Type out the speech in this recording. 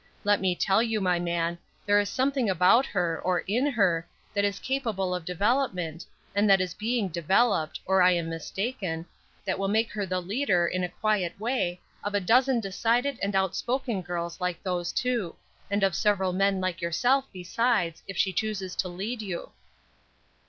Let me tell you, my man, there is something about her, or in her, that is capable of development, and that is being developed (or I am mistaken), that will make her the leader, in a quiet way, of a dozen decided and outspoken girls like those two, and of several men like yourself besides, if she chooses to lead you."